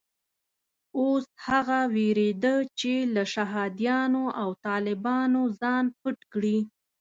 اوس هغه وېرېده چې له شهادیانو او طالبانو ځان پټ کړي.